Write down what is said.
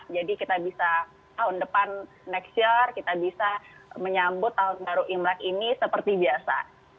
jadi kita bisa tahun depan next year kita bisa menyambut tahun baru imlek ini seperti biasa